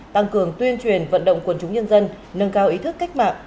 tăng cường tuyên truyền vận động quần chúng nhân dân nâng cao ý thức cách mạng